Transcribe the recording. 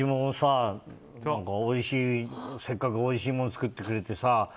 せっかくおいしいものを作ってくれてさ。